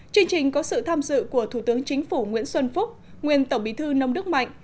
chương trình có sự tham dự của thủ tướng chính phủ nguyễn xuân phúc nguyên tổng bí thư nông đức mạnh